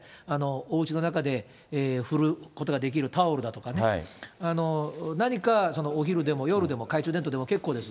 おうちの中で振ることができるタオルだとかね、何かお昼でも、夜でも、懐中電灯でも結構です。